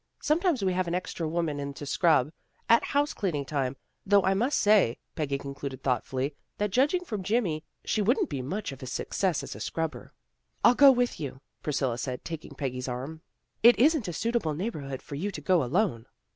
Sometimes we have an extra woman in to scrub, at house cleaning time, though I must say," Peggy concluded thoughtfully, " that judging from Jimmy, she wouldn't be much of a success as a scrubber." " I'll go with you," Priscilla said, taking Peggy's arm. " It isn't a suitable neighbor hood for you to go alone."